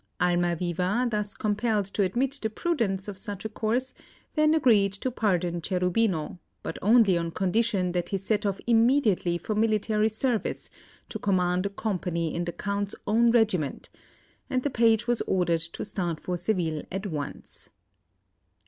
Almaviva, thus compelled to admit the prudence of such a course, then agreed to pardon Cherubino, but only on condition that he set off immediately for military service, to command a company in the Count's own regiment; and the page was ordered to start for Seville at once.